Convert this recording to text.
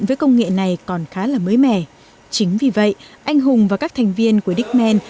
với công nghệ này còn khá là mới mẻ chính vì vậy anh hùng và các thành viên của dickman